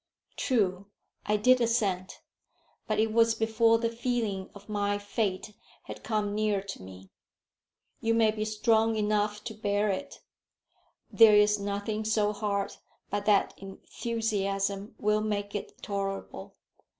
"True; I did assent. But it was before the feeling of my fate had come near to me. You may be strong enough to bear it. There is nothing so hard but that enthusiasm will make it tolerable.